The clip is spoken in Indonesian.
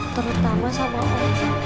terutama sama om